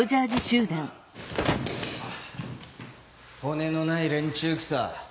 骨のない連中くさ。